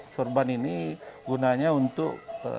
serban ini gunanya untuk